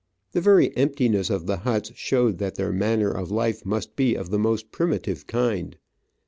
The very emptiness of the huts showed that their manner of life must be of the most primitive kind.